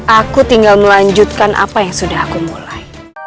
aku tinggal melanjutkan apa yang sudah aku mulai